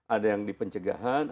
ada yang di pencegahan